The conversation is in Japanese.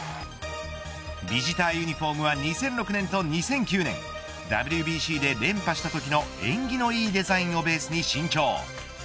ビジターユニホームは２００６年と２００９年ＷＢＣで連覇したときの縁起のいいデザインをベースに新調。